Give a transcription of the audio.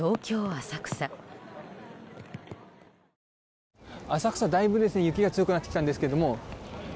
浅草、だいぶ雪が強くなってきたんですけれども。